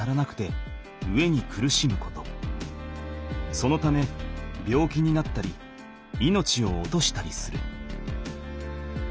そのため病気になったり命を落としたりする。